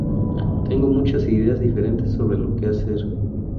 Tengo muchas ideas diferentes sobre lo que hacer".